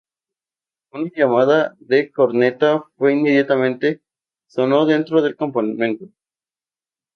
Una llamada de corneta fue inmediatamente sonó dentro del campamento.